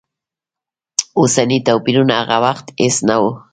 اوسني توپیرونه هغه وخت هېڅ نه و.